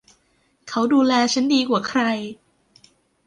เขาดูแลฉันดีกว่าใคร